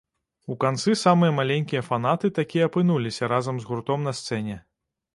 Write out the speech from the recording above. У канцы самыя маленькія фанаты такі апынуліся разам з гуртом на сцэне.